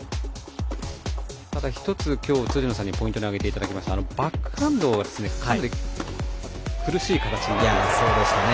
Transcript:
ただ１つ、辻野さんにポイントに挙げていただいたバックハンド苦しい形になりましたね。